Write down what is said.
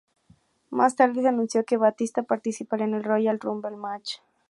Más tarde, se anunció que Batista participaría en el Royal Rumble Match.